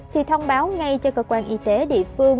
thì thông báo ngay cho cơ quan y tế địa phương